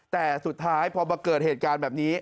แต่สุดท้ายพอมาเกิดเหตุการณ์แบบนี้